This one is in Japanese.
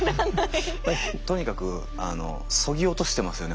とにかくそぎ落としてますよね